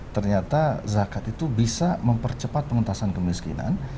ternyata zakat itu bisa mempercepat pengentasan kemiskinan